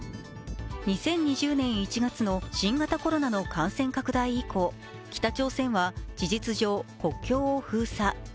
２０２０年１月の新型コロナの感染拡大以降、北朝鮮は事実上国境を封鎖。